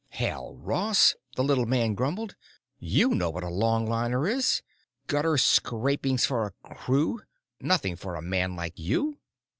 "Hell, Ross," the little man grumbled, "you know what a longliner is. Gutter scrapings for crews; nothing for a man like you."